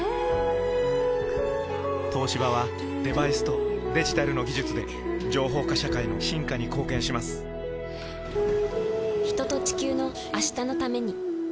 東芝はデバイスとデジタルの技術で情報化社会の進化に貢献します人と、地球の、明日のために。